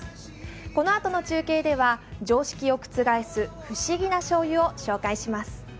このあとの中継では常識を覆す不思議なしょうゆを紹介します。